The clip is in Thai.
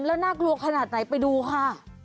แล้วน่ากลัวขนาดไหนไปดูค่ะ